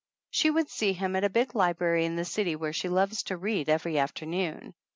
She would see him at a big library in the city where she loves to read every afternoon.